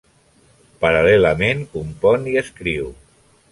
Paral·lelament, compon i escriu.